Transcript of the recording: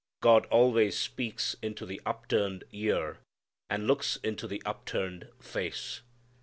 God always speaks into the upturned ear and looks into the upturned face.